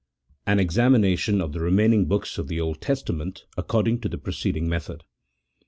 AN EXAMINATION OP THE REMAINING BOOKS OP THE OLD TESTAMENT ACCORDING TO THE PRECEDING METHOD.